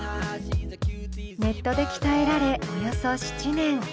ネットで鍛えられおよそ７年。